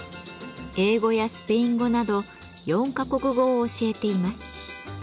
英語やスペイン語など４か国語を教えています。